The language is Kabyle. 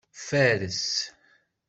Fares.